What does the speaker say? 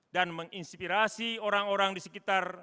dan menginspirasi orang orang di sekitar